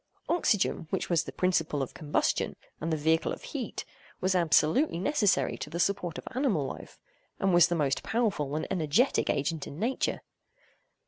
Oxygen, which was the principle of combustion, and the vehicle of heat, was absolutely necessary to the support of animal life, and was the most powerful and energetic agent in nature.